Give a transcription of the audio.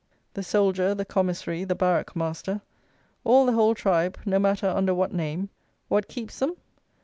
The soldier, the commissary, the barrack master, all the whole tribe, no matter under what name; what keeps them?